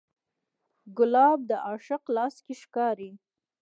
ګلاب د عاشق لاس کې ښکاري.